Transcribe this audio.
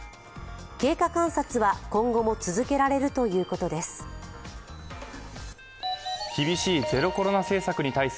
経過観察は今後も続けられるということです。